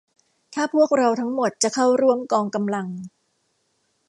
ถ้าพวกเราทั้งหมดจะเข้าร่วมกองกำลัง